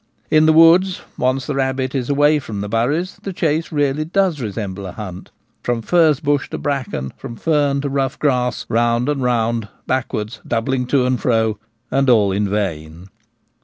In the woods, once the rabbit is away from the ' buries, 1 the chase really does resemble a hunt ; from furze bush to bracken, from fern to rough grass, round and round, backwards, doubling, to and fro, and all in vain.